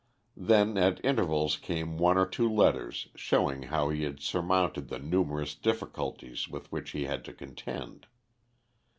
Then at intervals came one or two letters showing how he had surmounted the numerous difficulties with which he had to contend.